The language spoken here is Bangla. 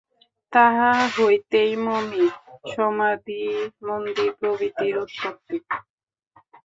তাহা হইতেই মমি, সমাধিমন্দির প্রভৃতির উৎপত্তি।